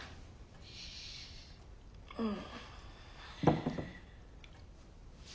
うん。